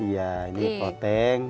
iya ini poteng